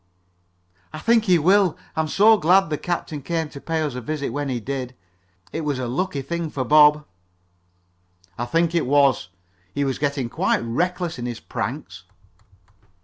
"I think he will. I'm so glad the captain came to pay us a visit when he did. It was a lucky thing for Bob." "I think it was. He was getting quite reckless in his pranks."